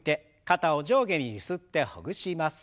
肩を上下にゆすってほぐします。